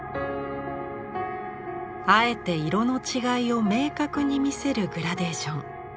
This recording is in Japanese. あえて色の違いを明確に見せるグラデーション。